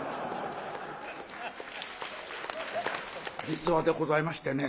実話でございましてね。